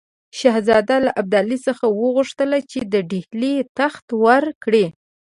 شهزاده له ابدالي څخه وغوښتل چې د ډهلي تخت ورکړي.